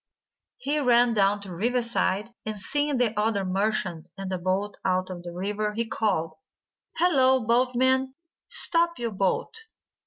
He ran down to the riverside, and, seeing the other merchant in the boat out in the river, he called: "Hallo, Boatman! Stop your boat!"